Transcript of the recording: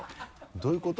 どういうこと？